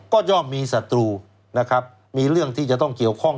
ก็ย่อมมีศัตรูนะครับมีเรื่องที่จะต้องเกี่ยวข้อง